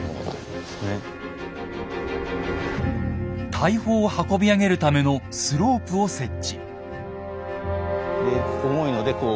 大砲を運び上げるためのスロープを設置。